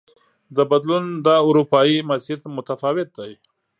د بدلون دا اروپايي مسیر متفاوت دی.